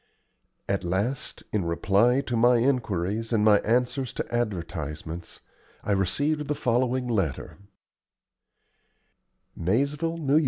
At last, in reply to my inquiries and my answers to advertisements, I received the following letter: Maizeville, N.Y.